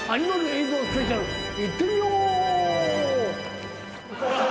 いってみよう。